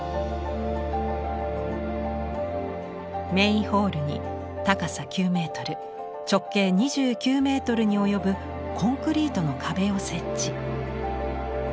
メインホールに高さ９メートル直径２９メートルに及ぶコンクリートの壁を設置。